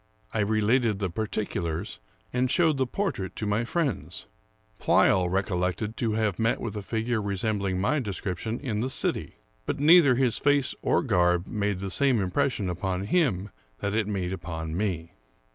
I related the particulars, and showed the portrait to my friends. Pleyel recollected to have met with a figure resembling my description in the city ; but neither his face or garb made the same impression upon him that it made upon me.